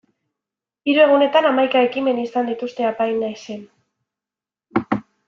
Hiru egunetan hamaika ekimen izan dituzte Apinaizen.